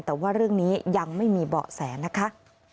แต่ว่าเรื่องนี้ยังไม่มีเบาะแสนะคะ